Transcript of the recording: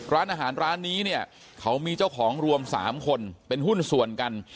ร้านอาหารร้านนี้เนี่ยเขามีเจ้าของรวม๓คนเป็นหุ้นส่วนกัน